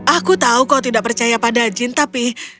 aku tahu kau tidak percaya pada jin tapi